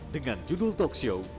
dengan judul talkshow